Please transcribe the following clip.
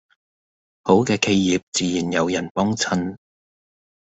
好嘅企業自然有人幫襯